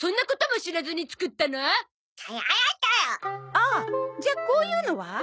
あっじゃあこういうのは？